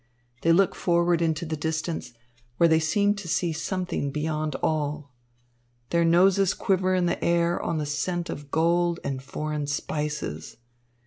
They look forward into the distance, where they seem to see something beyond all. Their noses quiver in the air on the scent of gold and foreign spices.